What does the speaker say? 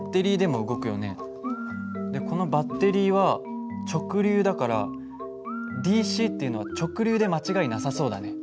このバッテリーは直流だからＤＣっていうのは直流で間違いなさそうだね。